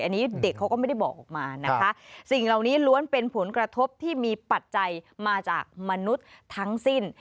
อันนี้เด็กเขาก็ไม่ได้บอกออกมานะคะสิ่งเหล่านี้ล้วนเป็นผลกระทบที่มีปัจจัยมาจากมนุษย์ทั้งสิ้น